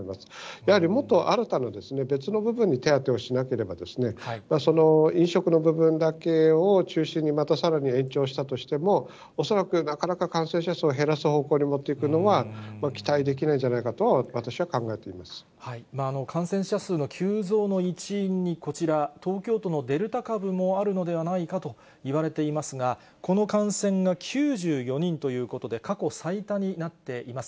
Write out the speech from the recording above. やはりもっと新たな別の部分に手当てをしなければ、飲食の部分だけを中心にまたさらに延長したとしても恐らくなかなか感染者数を減らす方向にもっていくのは、期待できないんじゃな感染者数の急増の一因に、こちら、東京都のデルタ株もあるのではないかといわれていますが、この感染が９４人ということで、過去最多になっています。